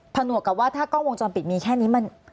หนวกกับว่าถ้ากล้องวงจรปิดมีแค่นี้มัน